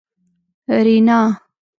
رینا